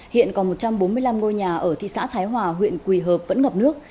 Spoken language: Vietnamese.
hiện còn một trăm bốn mươi năm ngôi nhà ở thị xã thái hòa huyện quỳ hợp vẫn ngập nước